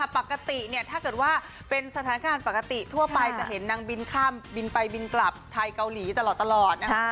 ปกติถ้าเกิดว่าเป็นสถานการณ์ปกติทั่วไปจะเห็นนางบินข้ามบินไปบินกลับไทยเกาหลีตลอดนะคะ